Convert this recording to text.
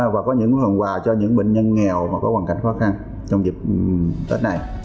và có những phần quà cho những bệnh nhân nghèo có hoàn cảnh khó khăn trong dịp tết này